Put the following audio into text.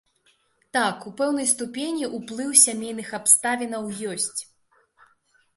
Так, у пэўнай ступені ўплыў сямейных абставінаў ёсць.